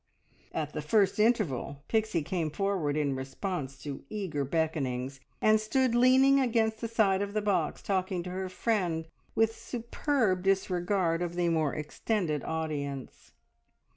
At the first interval Pixie came forward in response to eager beckonings, and stood leaning against the side of the box talking to her friend, with superb disregard of the more extended audience.